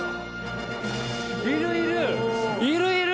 いるいる！